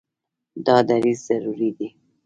دا دریځ ضروري دی.